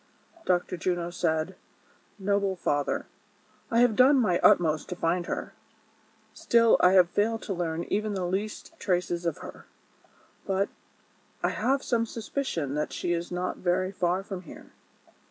Dr. Juno said :" Noble father, I have done my utmost to find her; still, I have failed to learn even the least traces of her ; but, I have some suspicion that she is not very far from here."